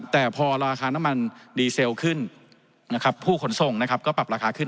แต่พอราคาน้ำมันดีเซลขึ้นผู้ขนส่งก็ปรับราคาขึ้น